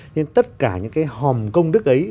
nên tất cả những cái hồng kông đức ấy